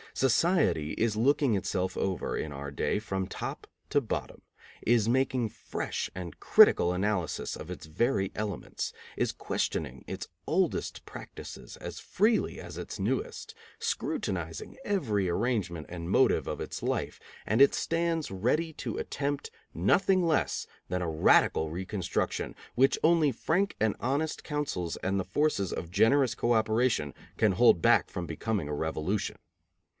Society is looking itself over, in our day, from top to bottom; is making fresh and critical analysis of its very elements; is questioning its oldest practices as freely as its newest, scrutinizing every arrangement and motive of its life; and it stands ready to attempt nothing less than a radical reconstruction, which only frank and honest counsels and the forces of generous co operation can hold back from becoming a revolution.